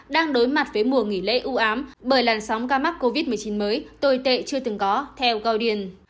đang đối mặt với mùa nghỉ lễ ưu ám bởi làn sóng ca mắc covid một mươi chín mới tồi tệ chưa từng có theo goudian